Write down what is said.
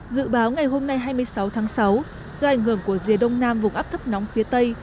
dự báo ngày hôm nay hai mươi sáu tháng sáu do ảnh hưởng của rìa đông nam vùng áp thấp nóng phía tây